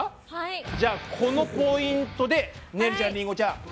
じゃあこのポイントでねるちゃんりんごちゃん